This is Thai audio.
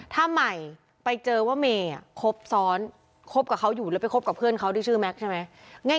ถ้าใหม่ไปเจอว่าเมย์ครบซ้อนคบกับเขาอยู่แล้วไปคบกับเพื่อนเขาที่ชื่อแม็กซ์ใช่ไหม